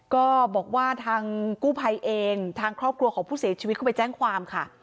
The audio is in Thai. ก็บอกว่าทางกู้ภัยเองทางครอบครัวของผู้เสียชีวิตเข้าไปแจ้งความค่ะ